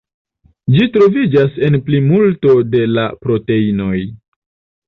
Ĝi troviĝas en plimulto de la proteinoj.